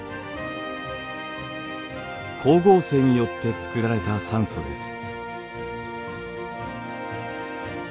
光合成によってつくられた酸素です。